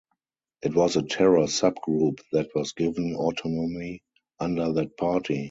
It was a terror sub-group that was given autonomy under that Party.